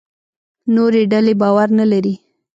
نورې ډلې باور نه لري.